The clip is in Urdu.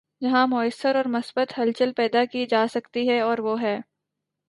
جہاں مؤثر اور مثبت ہلچل پیدا کی جا سکتی ہے‘ اور وہ ہے۔